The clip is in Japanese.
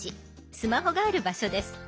スマホがある場所です。